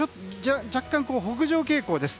若干、北上傾向です。